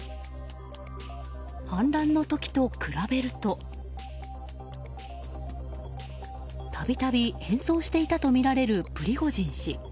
反乱の時と比べると度々変装していたとみられるプリゴジン氏。